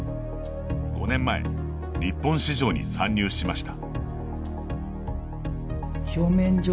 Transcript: ５年前、日本市場に参入しました。